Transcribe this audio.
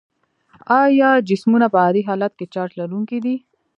آیا جسمونه په عادي حالت کې چارج لرونکي دي؟